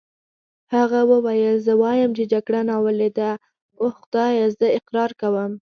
هغه وویل: زه وایم چې جګړه ناولې ده، اوه خدایه زه اقرار کوم.